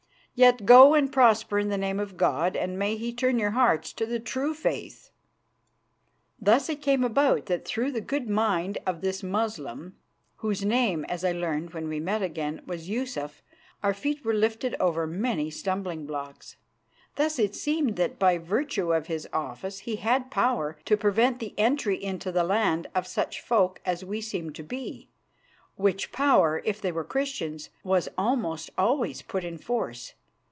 Yet go and prosper in the name of God, and may He turn your hearts to the true faith." Thus it came about that through the good mind of this Moslem, whose name, as I learned when we met again, was Yusuf, our feet were lifted over many stumbling blocks. Thus it seems that by virtue of his office he had power to prevent the entry into the land of such folk as we seemed to be, which power, if they were Christians, was almost always put in force.